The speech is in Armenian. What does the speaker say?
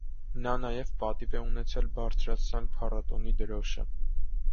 Նա նաև պատիվ է ունեցել բարձրացնել փառատոնի դրոշը։